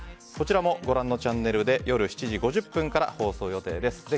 こちらもご覧のチャンネルで夜７時５０分から放送予定です。